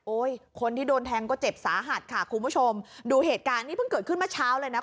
คนที่โดนแทงก็เจ็บสาหัสค่ะคุณผู้ชมดูเหตุการณ์นี้เพิ่งเกิดขึ้นเมื่อเช้าเลยนะ